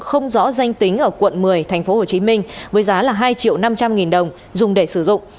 không rõ danh tính ở quận một mươi tp hcm với giá là hai triệu năm trăm linh nghìn đồng dùng để sử dụng